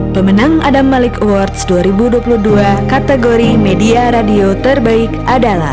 pemenang adam malik awards dua ribu dua puluh dua kategori media radio terbaik adalah